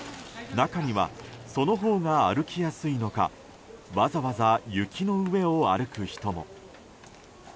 中には、そのほうが歩きやすいのかわざわざ雪の上を歩く人も。